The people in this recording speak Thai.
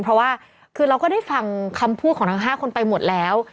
เพราะว่าคือเราก็ได้ฟังคำพูดของทั้ง๕คนไปหมดแล้ว